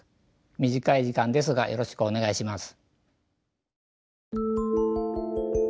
短い時間ですがよろしくお願いします。